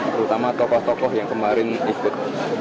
terutama tokoh tokoh yang kemarin ikut